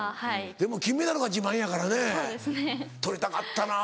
でも金メダルが自慢やからね取りたかったな。